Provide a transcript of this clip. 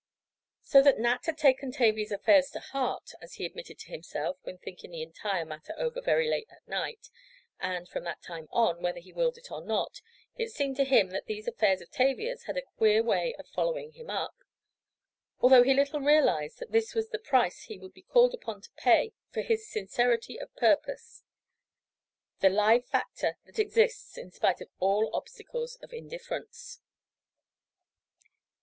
So that Nat had taken Tavia's affairs "to heart" as he admitted to himself, when thinking the entire matter over very late that night, and, from that time on, whether he willed or not, it seemed to him that these affairs of Tavia's had a queer way of "following him up," although he little realized that this was the price he would be called upon to pay for his sincerity of purpose—the live factor that exists in spite of all obstacles of indifference.